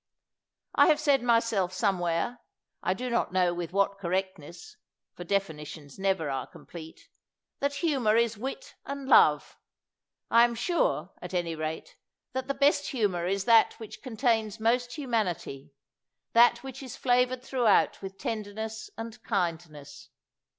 I have said myself somewhere, I do not know with what correctness (for definitions never are complete), that humor is wit and love; I am sure, at any rate, that the best humor is that which contains most humanity, that which is flavored throughout with tenderness and kind ness.